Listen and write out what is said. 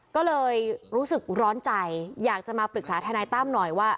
ก็เลยรู้สึกร้อนใจอยากจะมาปรึกษาทนายตั้มหน่อยว่า